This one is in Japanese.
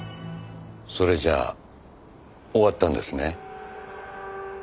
それじゃ終わったんですね。